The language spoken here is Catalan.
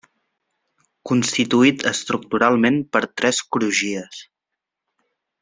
Constituït estructuralment per tres crugies.